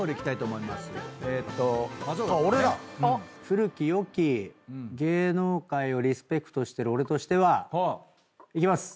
古きよき芸能界をリスペクトしてる俺としてはいきます。